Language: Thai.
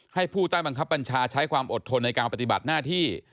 ผู้ใต้บังคับบัญชาใช้ความอดทนในการปฏิบัติหน้าที่